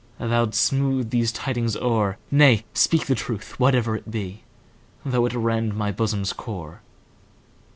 Thou 'dst smooth these tidings o'er,—Nay, speak the truth, whatever it be, Though it rend my bosom's core.